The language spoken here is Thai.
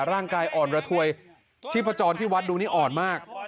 ร่างกายอ่อนระถวยชีพจรที่วัดดูนี่อ่อนมาก